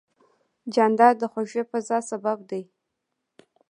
جانداد د خوږې فضا سبب دی.